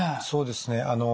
そうですね。